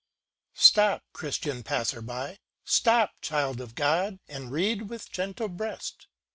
Stop, Christian passer by !— Stop, child of God, And read with gentle breast.